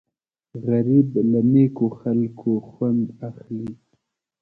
غریب له نیکو خلکو خوند اخلي